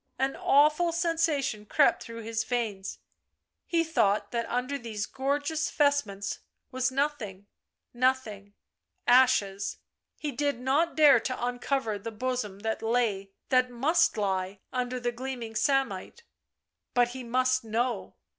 An awful sensation crept through his veins ; he thought that under these gorgeous vestments was nothing — nothing — ashes. He did not dare to uncover the bosom that lay, that must lie, under the gleaming samite. ... But he must know.